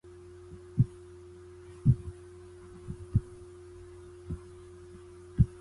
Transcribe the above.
我們來看看